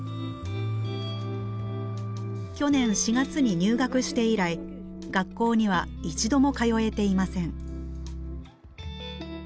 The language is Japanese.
去年４月に入学して以来学校には一度も通えていません。